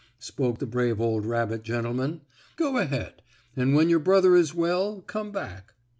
spoke the brave old rabbit gentleman. "Go ahead, and when your brother is well, come back."